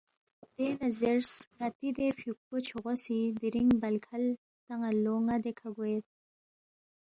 دیکھہ نہ زیرس، ”ن٘تی دے فیُوکپو چھوغو سی دِرِنگ بَل کھل تان٘ید لو ن٘ا دیکھہ گوید